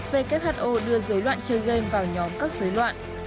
who đưa rối loạn chơi game vào nhóm các rối loạn